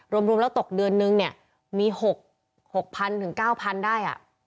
รวมรวมแล้วตกเดือนนึงเนี่ยมี๖๐๐๐๙๐๐๐บาทได้อ่ะ